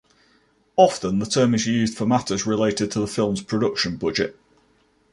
Often, the term is used for matters related to the film's production budget.